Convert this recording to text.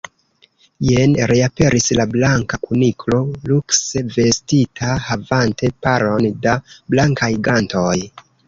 Jen reaperis la Blanka Kuniklo lukse vestita, havante paron da blankaj gantoj.